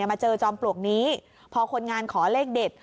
มาเจอจอมปลวกนี้พอคนงานขอเลขเด็ด